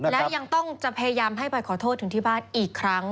แล้วยังต้องจะพยายามให้ไปขอโทษถึงที่บ้านอีกครั้ง